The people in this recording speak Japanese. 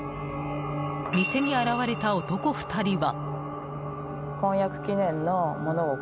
店に現れた男２人は。